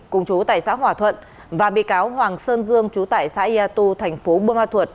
cùng chú tại xã hỏa thuận và bị cáo hoàng sơn dương chú tại xã yatou thành phố bơ ma thuật